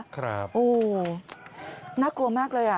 ครับโอ้น่ากลัวมากเลยอ่ะ